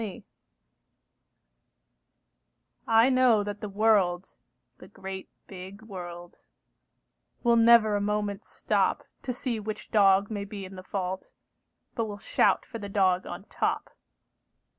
THE UNDER DOG I know that the world, the great big world, Will never a moment stop To see which dog may be in the fault, But will shout for the dog on top.